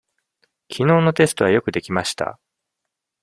きのうのテストはよくできました。